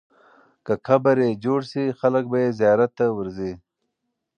که قبر یې جوړ سي، خلک به یې زیارت ته ورځي.